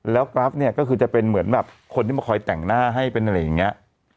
แล้วกราฟเนี่ยก็คือจะเป็นเหมือนแบบคนที่มาคอยแต่งหน้าให้เป็นอะไรอย่างนี้